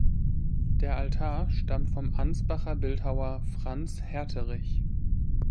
Der Altar stammt vom Ansbacher Bildhauer "Franz Herterich".